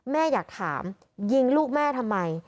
แม่อยากถามยิงลูกแม่ทำไม